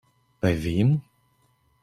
Bei wem?